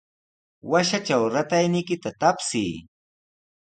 Washatraw ratayniykita tapsiy.